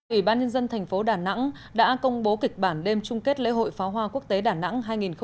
ủy ban nhân dân thành phố đà nẵng đã công bố kịch bản đêm chung kết lễ hội pháo hoa quốc tế đà nẵng hai nghìn một mươi chín